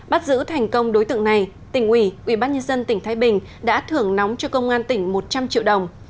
bắt giữ thành công đối tượng này tỉnh ủy ủy bác nhân dân tỉnh thái bình đã thưởng nóng cho công an tỉnh một trăm linh triệu đồng